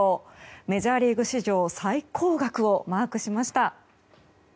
メジャーリーグ史上最高額をマークしました。